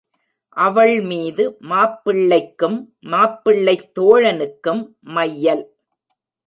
அவள் மீது மாப்பிள்ளைக்கும் மாப்பிள்ளைத் தோழனுக்கும் மையல்.